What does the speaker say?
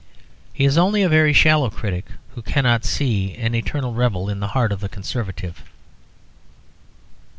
He is only a very shallow critic who cannot see an eternal rebel in the heart of the Conservative.